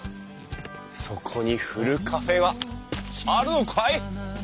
そこにふるカフェはあるのかい？